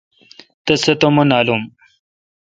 تس سہ تو مہ نالم۔